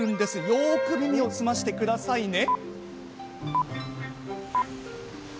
よく耳を澄ましてくださいね。